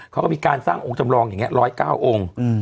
เขาก็มีการสร้างองค์จำลองอย่างนี้๑๐๙องค์